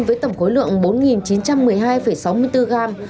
với tổng khối lượng bốn chín trăm một mươi hai sáu mươi bốn gram